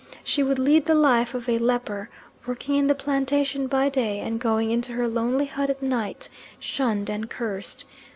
She would lead the life of a leper, working in the plantation by day, and going into her lonely hut at night, shunned and cursed.